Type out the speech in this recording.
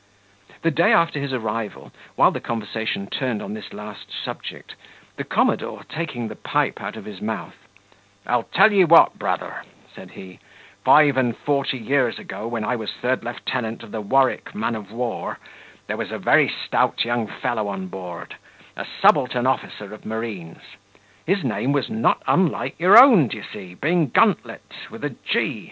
The day after his arrival, while the conversation turned on this last subject, the commodore, taking the pipe out of his month, "I'll tell ye what, brother," said he; "five and forty years ago, when I was third lieutenant of the Warwick man of war, there was a very stout young fellow on board, a subaltern officer of marines; his name was not unlike your own, d'ye see, being Guntlet, with a G.